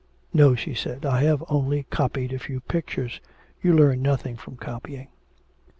'No,' she said, 'I have only copied a few pictures, you learn nothing from copying.'